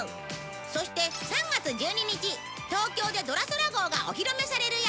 そして３月１２日東京でドラそら号がお披露目されるよ！